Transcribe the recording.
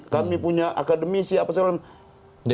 kami punya akademisi apa sebagainya